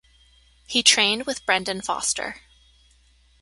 He trained with Brendan Foster.